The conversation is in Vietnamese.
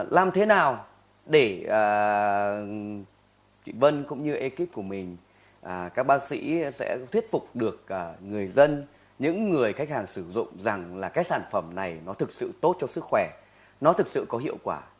làm thế nào để chị vân cũng như ekip của mình các bác sĩ sẽ thuyết phục được người dân những người khách hàng sử dụng rằng là cái sản phẩm này nó thực sự tốt cho sức khỏe nó thực sự có hiệu quả